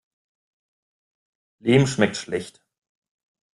Lehm schmeckt schlecht.